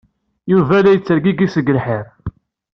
Yuba la yettergigi seg lḥir.